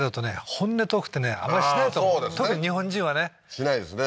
本音トークってねあんまりしないと思う特に日本人はねしないですね